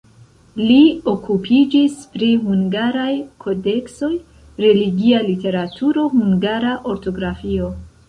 Li okupiĝis pri hungaraj kodeksoj, religia literaturo, hungara ortografio.